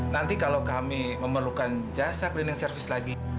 nanti kalau kami memerlukan jasa cleaning service lagi